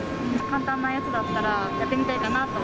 簡単なやつだったらやってみたいかなと。